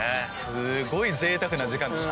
すごいぜいたくな時間。